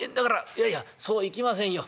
「いやいやそうはいきませんよ。